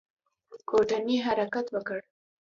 کوټنۍ حرکت وکړ.